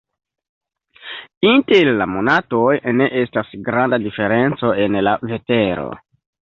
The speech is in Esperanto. Inter la monatoj ne estas granda diferenco en la vetero.